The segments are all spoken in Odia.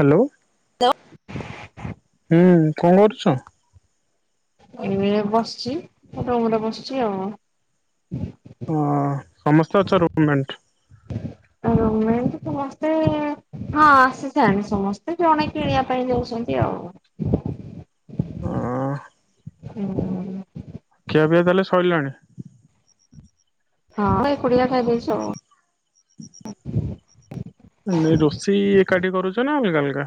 ହାଲୋ। ତ ହୁଁ କଣ କରୁଛୁ? ଏଇ ବସିଛି ଖଟ ଉପରେ ବସିଛି ଆଉ। ହଁ ସମସ୍ତେ ଅଛ ରୁମ ମେଣ୍ଟ। ରୁମ ମେଣ୍ଟ ସମସ୍ତେ ହଁ ଆସିସାଇଲେଣି ସମସ୍ତେ ଜଣେ କିଣିବା ପାଇଁ ଯାଇଛନ୍ତି ଆଉ। ହଁ ହୁଁ। ଖିଆ ପିଆ ତାହେଲେ ସଇଲାଣି। ହଁ। ପୁଡିଆ ଖାଇଦେଇଛ ଆଉ। ନାଇ ରୋଷେଇ ଏକାଠି କରୁଛ ନା ଅଲଗା ଅଲଗା।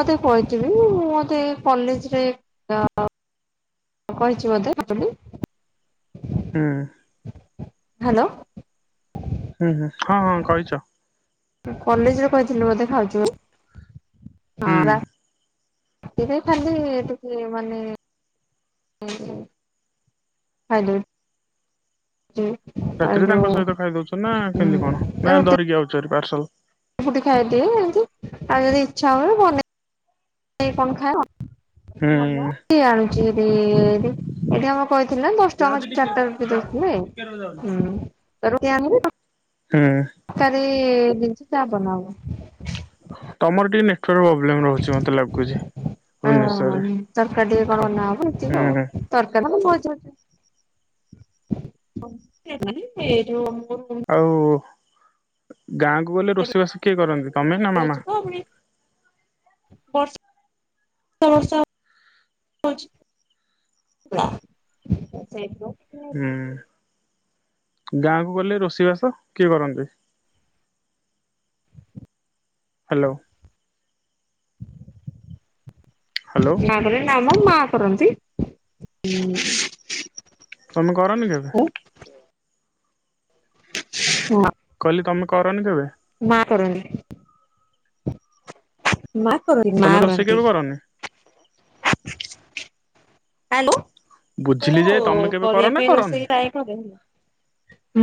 ମୋତେ କହିଥିବି ମୁଁ ତ ଏ କଲେଜରେ ଅ କହିଛି ବୋଧେ ଆପଣଙ୍କୁ। ହୁଁ। ହାଲୋ। ହୁଁ ହୁଁ ହଁ ହଁ କହିଛ। କଲେଜରେ କହିଥିଲି ବୋଧେ ଖାଉଚୁ ବୋଲି। ହୁଁ। ସେଇଟା ଖାଲି ଟିକେ ମାନେ ଏ। ଖାଇଦେବେ। ରାତିରେ ତାଙ୍କ ସହିତ ଖାଇ ଦଉଛ ନା କେମିତି କଣ ନା ଧରିକି ଆଉଛ ହେରି। ପାର୍ସଲ। ରୁ ଫୁଟି ଖାଇଦିଏ ଏମତି ଆଉ ଯଦି ଇଚ୍ଛା ହୁଏ ବନେଇ କଣ ହୁଁ ଖାଅ। ଟି ଆଣୁଛି ବି ଏଠି ଆମର କହିଥିଲି ନା ଦଶଟଙ୍କା ରେ ଚାରଟା ରୁଟି ଦଉଥିଲେ ହୁଁ। ଚାର ଟା ରୁଟି ଆଣିକି। ହୁଁ ତରକାରୀ ବି। ସେଟା ବନା ହବ। ତମର ଟିକେ ମେ ହଁ ଭୁବନେଶ୍ଵରରେ। ତରକାରୀ ଟିକେ କଣ ବନା ହବ ଏତିକି ହୁଁ ଆଉ ତରକାରୀ ଭଜା। ଏ ଯଉ। ଆଉ। ଗାଁକୁ ଗଲେ ଭିତରେ ରୋଷେଇବାସ କିଏ କରନ୍ତି ତମେ ନା ମାମା। ବଷ ବର୍ଷ [inaudible] ନା ସେଠୁ। ହୁଁ। ଗାଁ କୁ ଗଲେ ରୋଷେଇ ବାସ କିଏ କରନ୍ତି। ହ୍ୟାଲୋ। ହ୍ୟାଲୋ [inaudible] ମାଁ କଇଲେ ନାମ ମ କରନ୍ତି ହୁଁ। ତମେ କରନି କେବେ? ହଁ କହିଲି ତମେ କରନି କେବେ? କରନ୍ତି। ମା କରନ୍ତି ମା ତମେ ରୋଷେଇ କରନ୍ତି। କେବେ କରନି? ଆଲୋ ବୁଝିଲି ମୁଁ ଯେ ତମେ କେବେ କର କରିବା ନା ପାଇଁ କରନି ରୋଷେଇ ଟ୍ରାଏ କରେ।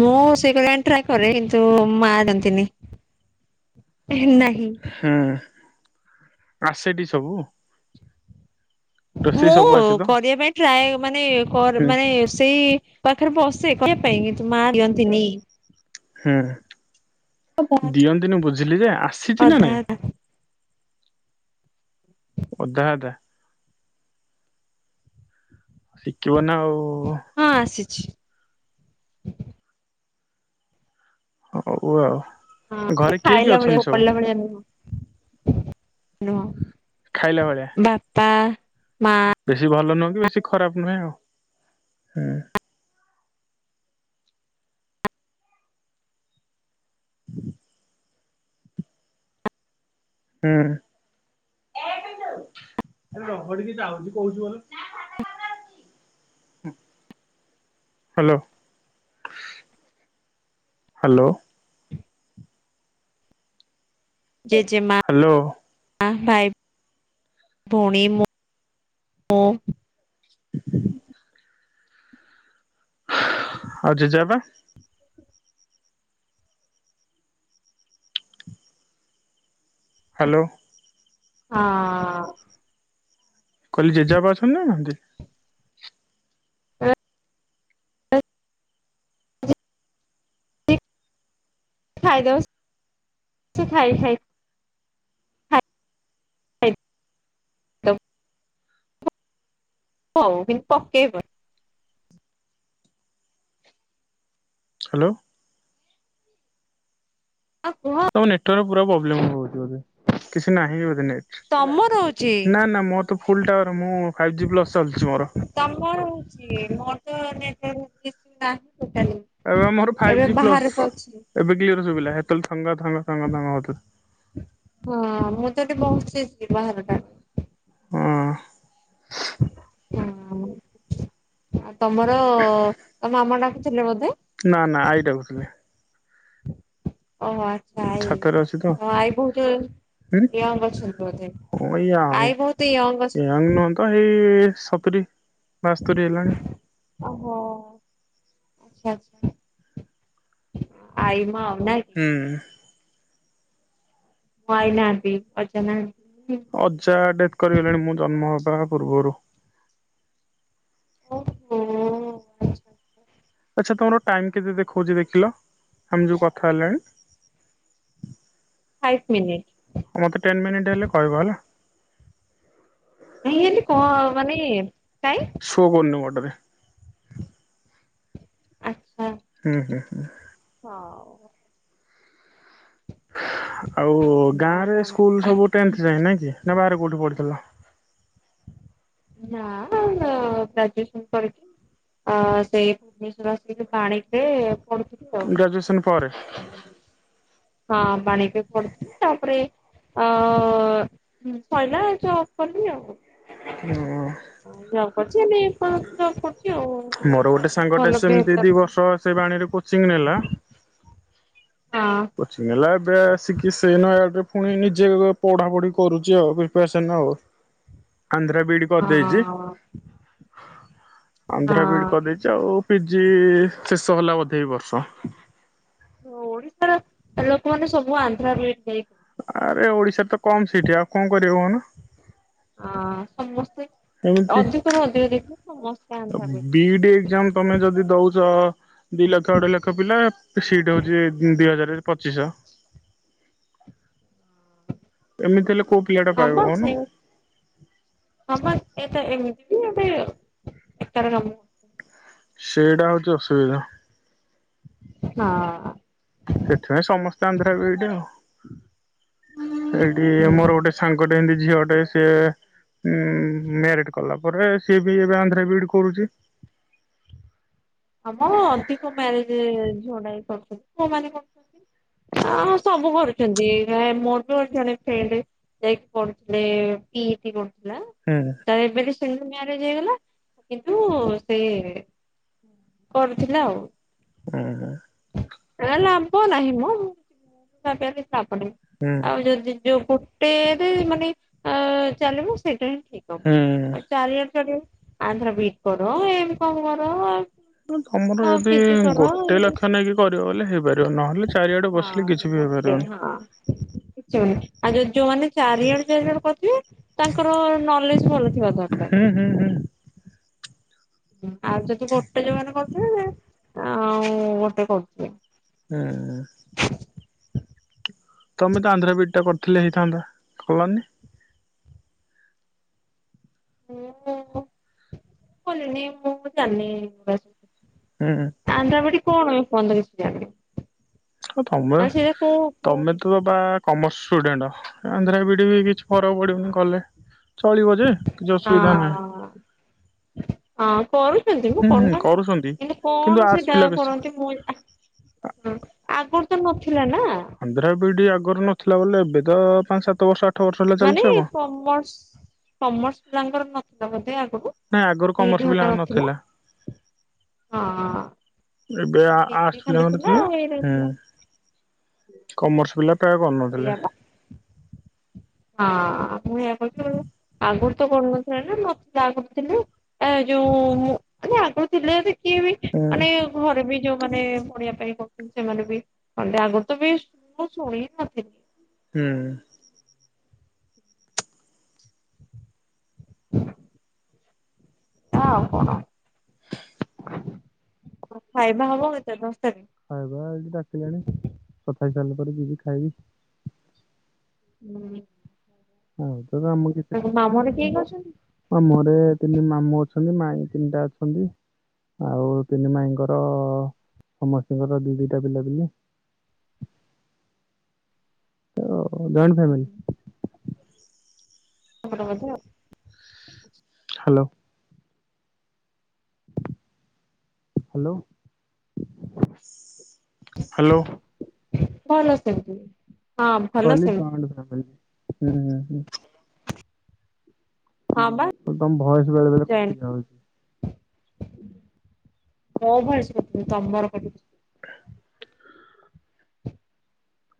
ମୁଁ ରୋସେଇ କରିବାକୁ ଟ୍ରାଏ କରେ କିନ୍ତୁ ମା ଦିଅନ୍ତିନି। ନାହିଁ ହୁଁ ଆସେଟି ସବୁ? ରୋଷେଇ ସବୁ ମୁଁ ଆସେ ତ କରିବା ପାଇଁ ଟ୍ରାଏ ମାନେ ହୁଁ ମାନେ ସେଇ ପାଖରେ ବସେ କହି ପାଇଁ କିନ୍ତୁ ମାଁ ଦିଅନ୍ତିନି। ହୁଁ ଅଧା ଦିଅନ୍ତିନି ବୁଝିଲି ଯେ ଆସିଛି ନା ନାଇଁ? ଅଧା ଅଧା ଅଧା ଶିଖିବ ନା ଆଉ। ହଁ ଆସିଛି। [inaudible] ହଉ ଆଉ। ହଁ ଘରେ କିଏ କିଏ ଖାଇଲା ଭଳିଆ ଅଛନ୍ତି ସବୁ ଫୋପାଡ଼ିଲା ଭଳିଆ ନୁହେଁ। ନୁହଁ ଖାଇଲା ଭଳିଆ ବାପା ମା ବେଶୀ ଭଲନୁ ବେଶୀ ଖରାପ ନୁହେଁ ଆଉ ହୁଁ। ହୁଁ ହାଲୋ ହାଲୋ ଜେଜେମା ହ୍ୟାଲୋ [unintelligible] [inaudible] ଆଉ ଯେଯେ ବାପା ହ୍ୟାଲୋ। ହଁ କଇଲି ଜେଜାପା ଅସଛନ୍ତି ନା ନାହାନ୍ତି। [unintelligible] ଖାଇଦଉ ସେ ଖାଇ ଖାଇ ଖାଇ [unintelligible] ହଉ କିନ୍ତୁ ପକେଇବ ହ୍ୟାଲୋ ଆଉ କୁହ ତମ ନେଟୱର୍କ ପ୍ରୋ ପୁରା ପ୍ରୋବ୍ଲେମ ହେଉଚି ବୋଧେ କିଛି ନାହିଁ ବୋଧେ ନେଟ୍ ତମର ହେଉଚି ଫୁଲ୍ ଟାୱାର ମୁଁ ଫାଇଭ୍ ଜି ପ୍ଲସ୍ ତମର ଚାଲିଛି ମୋର। ହଉଚି ମୋର ତ ନେଟୱର୍କ କିଛି ନାହିଁ ଟୋଟାଲି। ଏବେ ଆମର ଫାଇଭ ଏବେ ଜି ପ୍ଲସ୍ ବାହାରେ ତ ଅଛି ଏବେ କ୍ଲୀୟର ସୁଭିଲା ସେତେବେଳେ ଥଙ୍ଗ ଥଙ୍ଗ ଥଙ୍ଗ ଥଙ୍ଗ ହଉଥିଲା ବହୁତ ଷ୍ଟୀଟ ବାହାର ଟାରେ ହଁ ହଁ ତମର ତ ମାମା ଟାକୁ ଥିଲେ ବୋଧେ ନା ନା ଆଇ ଡାକୁଥିଲେ ଓହୋ ଆଇ ତ ଛାତରେ ଅଛି ତ। ଆଇ ବହୁତ ହୁଁ ୟଙ୍ଗ ଅଛନ୍ତି ବୋଧେ ହଁ ଏଇ ଆଈ ୟାଙ୍ଗ ବହୁତ ୟଙ୍ଗ ଅଛନ୍ତି ସତରେ ବାସ୍ତୋରି ହେଲାଣି ଓହୋ। ଆଚ୍ଛା ଆଚ୍ଛା। ନାଇଁ କି ହୁଁ। ମୋ ଆଇ ନାହାନ୍ତି ଅଜା ନାହା ଅଜା ଡେଥ୍ କରିଗଲେଣି ମୁଁ ଜନ୍ମ ହ ବା ପୂର୍ବରୁ। ଓହୋ ଆଛା। ଆଚ୍ଛା ତମର ଟାଇମ୍ କେତେ ଦେଖଉଚି ଦେଖିଲ ଆମେ ଯୋଉ କଥା ହେଲେଣି? Five minute. ମୋତେ ଟେନ୍ ମିନିଟ ହେଲେ କହିବ ହେଲା । ନା‌ହିଁ ହେମିତି କ ମାନେ କାଇଁ ସୋ କରୁନି ମୋ ଟାରେ। ଆକ୍ ହୁଁ ହୁଁ ହୁଁ। ଆଉ ଗାଁ ନା ରେ କଣ ସ୍କୁଲ ସବୁ ଟେନଥ୍ ଯାଏ ନାଇଁ କି ନା ବାହାରେ କୋଉଠି ପଢିଥିଲ । ନା ଗ୍ରାଜୁଏସନ କରିକି ସେଇ ଭୁବନେଶ୍ଵର ଆସି ବାଣିରେ ଗ୍ରାଜୁଏସନ୍ ପରେ। ହଁ ବାଣିକେ ପଡୁଥିଲି ତାପରେ ଅ ଶଇଲା ଜବ୍ କଲି ଆଉ। ହ ଜବ୍ କରିଛି ଏବେ ଜବ୍ କରୁଛି ଆଉ ଟିକେ ମୋର ଗୋଟେ ସାଙ୍ଗଟେ ଭଲ ସେମତି ଦି ବେହେତର ବର୍ଷ ସେ ବାଣୀରେ କୋଚିଂ ନେଲା । ହଁ କୋଚିଙ୍ଗ ନେଲା ଏବେ ଆସିକି ସେ ନୟାଗଡ଼ ରେ ପୁଣି ନିଜେ ପଢାପଢି କରୁଚି ଆଉ ପ୍ରିପ୍ରେୟାସନ୍ ଆଉ। ଆନ୍ଧ୍ରା ବି ଡି କରିଦେଇଚି। ହଁ ଆନ୍ଧ୍ରା ବି ଡି ହଁ କରିଦେଇଚି ଆଉ ପିଜି ଶେଷ ହେଲା ବୋଧେ ଏଇ ବର୍ଷ। ଓଡିଶାର ଲୋକ ମାନେ ସବୁ ଆନ୍ଧ୍ରା ବି ଏ ଡ୍ ଯାଇ ଆରେ ଓଡିଶାର ତ କମ ସିଟି ଆଉ କଣ କରିବେ କଉନ? ଅ ସମ ଏମିତି ସମସ୍ତେ Andhra BEd B D exam ତମେ ଯଦି ଦଉଚ ଦି ଲକ୍ଷ ଅଢେଇ ଲକ୍ଷ ପିଲା ସିଟ ହଉଛି ଦି ହଜାର। ପଚିଶଅ। ଏମିତି ହେଲେ କୋଉ ପିଲା ଟା ହଁ ପାଇବ ବା କହୁନ? ସେଇ ହଁ ବା [unintelligible] ବେକାର କାମ। ସେଇଟା ହଉଚି ଅସୁବିଧା। ହଁ । ସେଥିପାଇଁ ସମସ୍ତେ ଆନ୍ଧ୍ରା ବି ଡି ଆଉ। ଏଇଠି ମୋର ଗୋଟେ ସାଙ୍ଗଟ ଏମିତି ଝିଅ ଟେ ସିଏ ଉ ମ୍ୟାରିଟ କଲା ପରେ ସିଏ ବି ଏବେ ଆନ୍ଧ୍ର ବିିଡ କରୁଛି। ଆମ ଅଧିକ ମ୍ୟାରେଜ ଝଡ କରୁଛନ୍ତି ପଅ ମାନ କରୁଛନ୍ତି ସବୁ କରୁଛନ୍ତି ମୋର ବି ଯାଇକି ପୁଥିଲେ ପି ହୁଁ ତ ଏବେ [inaudible] ସେ ମାରେଜ ହେଇଗଲା କିନ୍ତୁ ସେ କରୁଥିଲା ଆଉ। ହୁଁ ହୁଁ। ଲାଭ ନାହିଁ ମୁଁ ତାପ ହୁଁ ଆଉ ଯଦି ଯୋଉ ଗୋଟେରେ ମାନେ ଅ ଚାଲିବ ସେଇଟା ହୁଁ ଠ ଚାରି ହଜାର [inaudible] ଆଧ୍ର ବିଟ କଡ଼ ଏମି କାମ କରର [inaudible] ତମର ଯଦି ଗୋଟେ ଇଏ ଲକ୍ଷ ସେ ନେଇାଇକି କରିବ ବ ହେଇପାରିବ ନହେଲେ ଚାରିଆଡେ ବସିଲେ ହଁ କିଛି ବି ହେଇପାରିବନି ହ [inaudible] ଯୋଉମାନେ ଚାରି ଜଣ ଚାରି ଜଣ କରିିବେ ତାଙ୍କର ନଲେଜ ଭଲ ଥିବା ଦରକାର ହୁଁ ହୁଁ ହୁଁ ହେଲା ଆଉ ଯଦି ଗୋଟେ ଯୋଉ ମାନ କରିିବେ ହ ଗୋଟେ ହୁଁ। ତମେ ତା ଆନ୍ଧରେ ବିଇଟା କରିଥିଲି ହେଇଥାନ୍ତା କଲାନି। ମୁଁ କଲନି ମୁଁ ଜାଣିନି ବା ହୁଁ। ଆନ୍ଦ୍ରାପଡି କଣ ଆ ଫୋନ ତ କିଛି ଜାଣି ହଁ ତମର ତମେ କୋଉଠି ତ ବା କମର୍ସ ଷ୍ଟୁଡେଣ୍ଟ ଆ ବି ଡ୍ କିଛି ଖରାକୁ ପଡିବନି କଲେ ଚଳିବ ଯେ କିଛି ଅସୁବିଧା ନାହିଁ। ହଁ ମୁଁ ହୁଁ ହୁଁ କରନାହାନ୍ତି କରୁଛନ୍ତି କିନ୍ତୁ କିନ୍ତୁ କଣ ଆର୍ଟସ ଗା ପିଲା ବେଶୀ କରନ୍ତି ମୁ ଆଗ ନଥିଲା ନା ଅନ୍ଦ୍ର ବିଡି ଆ ର ନଥିଲା ବୋଲେ ଏବେ ତ ପାଞ୍ଚ ସାତ ବର୍ଷ ବର୍ଷ ହେଲା ମାନେ ଚାଲିଛି ଆଉ କଣ। କମର୍ସ କମର୍ସ ପିଲାଙ୍କର ନ ନାଇଁ ଆଗରୁ ମତେ କମର୍ସ ବିଧଟ ପିଲାଙ୍କର ନଥିଲା ହଁ। ଏବେ ଆର୍ଟସ୍ ପିଜି ଖାଲି ପିଲାଙ୍କରେ ଥିଲା ଆଉ ଏଇଟା ଥିଲା ହୁଁ କମର୍ସ ପିଲା ପ୍ରାୟ ଏଇଆ କରୁନଥିଲି। ପା। ହଁ ମୁଁ ଏଇଆ କହୁଥିଲି କହୁଥିଲି ଆଗରୁ ତ କରୁନଥିଲେ ନା ମତେ ଆଗରୁ ଥିଲି ଏ ଯୋଉ ମୁଁ ମାନେ ଆଗରୁ ଥିଲେ ବି କିଏ ବି ହୁଁ। ମାନେ ଘରେ ବି ଯୋଉ ମାନେ ଶୁଣିବା ପାଇଁ କହୁଛନ୍ତି ସେମାନେ ବି କଅନ୍ତି ଆଗରୁ ତ ବି ମୁଁ ଶୁଣି ହିଁ ନଥିଲି। ହୁଁ। ହଁ କଣ? ହଁ ଖାଇବା ହବ ଚାରି ପାଞ୍ଚଟାରେ? ଖାଇବା ଏଇଠି ଡାକିଲେଣି କଥା ହେଇ ସାରିଲା ପରେ ଯିବି ଖାଇବି। ହୁଁ। ହଉ। ତମେ ଆମକୁ କିଛି ମାମୁଁ ଘରେ କିଏ କହୁନ କିଏ ଅଛନ୍ତି? ଆମଘରେ ତିନି ମାମୁଁ ଅଛନ୍ତି ମାଇଁ ତିନିଟା ଅଛନ୍ତି ଆଉ ତିନି ମାଇଁଙ୍କର ସମସ୍ତିଙ୍କର ଦି ଦିଟା ପିଲାପିଲି। Joint family. [unintelligible] Hello. Hello hello. ଭଲ ସେମିତି। ହଁ ଭଲ କହିଲି ସେମିତି ଜଏଣ୍ଟ ଫ୍ୟାମିଲି। ହୁଁ ହୁଁ ହୁଁ। ହଁ ବା ତମ ଭଏସ ବେଳେ ବେଳେ ଜଏଣ୍ଟ କଟି ଯାଉଛି। [inaudible] ମୋ ଭଏସ କଟୁନି ତମର କଟୁଚି।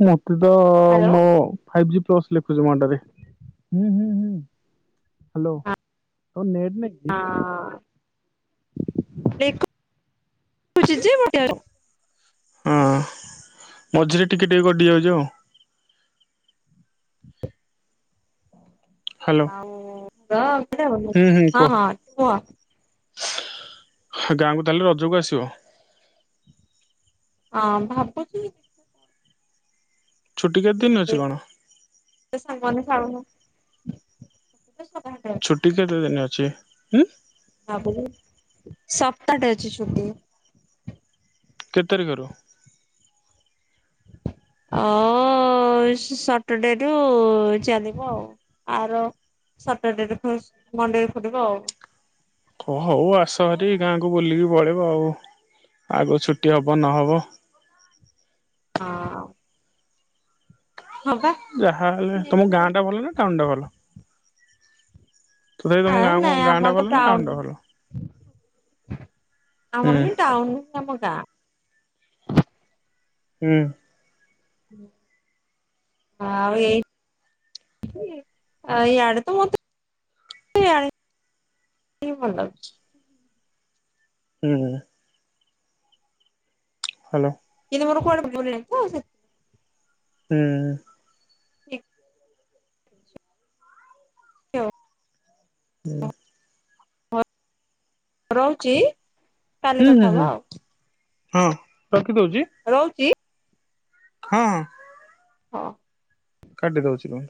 ହଁ। ତ ହ୍ୟାଲୋ ମୋ ଫାଇଭ୍ ଜି ଲେଖୁଛି ମଣ୍ଡରେଁ ହୁଁ ହୁଁ ହୁଁ ହାଲୋ। ନେଟ୍ ନାହିଁ କି? ଦେଖ [unintelligible] ହଁ ମଝିରେ ଟିକେ ଟିକେ ଗଡ଼ି ଯାଉଛି ଆଉ। ହ୍ୟାଲୋ ଆଉ ହଁ। ହୁଁ ହୁଁ ହଁ କୁହ। ହଁ କୁହ? ଗାଁକୁ ତାହେଲେ ରଜକୁ ଆସିବ। [inaudible] ହଁ ଭାବୁଚି ଦେଖିଆ କଣ ଛୁଟି କେତେ ଦିନ ଅଛି କଣ? [inaudible] ସାଙ୍ଗମାନେ ଛାଡୁନୁ ଛୁଟି କେତେ ଦିନ ଅଛି? ଉଁ। ବାପ ସପ୍ତାଟେ ଅଛି ଛୁଟି। କେତେ ତାରିକରୁ? ଅ ସଟରଡେରୁୁ ଚାଲିବ ଆଉ ଆର ସଟରଡେରେ ମଣ୍ଡେରେ ଖୋଲିବ ଆଉ। କ ହଉ ଆସ ହରି ଗାଁକୁ ବୁଲିକି ପଳେଇବ ଆଉ ଆଗ ଛୁଟି ହବ ନହବ। ହଁ। ହଁ ବା ଯାହା ହେଲେ ତମ ଗାଁ ଟା ଭଲ ନା ଟାଉନ ଟା ଭଲ? ତତଥାପି ଆ ତମ ଗାଁ ନାଇଁ ଆମର ଗାଁଟା ତ ଭଲ ନା ଟାଉନ ଗାଉଁନ ଟା ଭଲ? ହୁଁ ଆମର ହିଁ ଟାଉନ ଆମ ଗାଁ। ଉଁ। ହଁ ଆଉ ଏଇ ଇଆଡେ ତ ମତେ [unintelligible] ହୁଁ। ହାଲୋ। କିନ୍ତୁ ମୋର କୁଆଡେ ଭୁଲ୍ ନାହିଁ ହୁଁ ସେ ହୁଁ। ସେଥିପାଇଁ ଆଉ। ହୁଁ। ହ ରୋହୁଚି। କାଲି ହୁଁ ହୁଁ କଥା ହୁଁ ହବା ଆଉ। ହଁ। ରଖି ଦଉଚି। ରହୁଛି ହଁ। ହଁ। କାଟି ଦଉଛି କଣ?